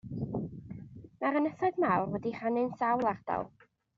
Mae'r ynysoedd mawr wedi'u rhannu'n sawl ardal.